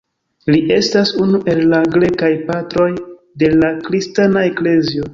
Li estas unu el la Grekaj Patroj de la kristana eklezio.